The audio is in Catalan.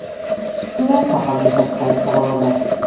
Quina és la part més extensa de l'obra?